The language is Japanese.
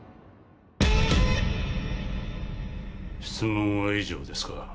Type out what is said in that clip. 質問は以上ですか？